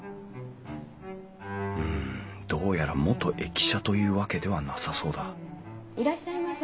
うんどうやら元駅舎というわけではなさそうだいらっしゃいませ。